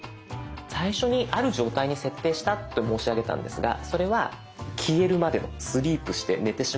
最初にある状態に設定したって申し上げたんですがそれは消えるまでのスリープして寝てしまうまでの時間。